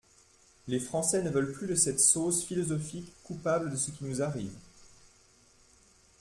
Les Français ne veulent plus de cette sauce philosophique coupable de ce qui nous arrive.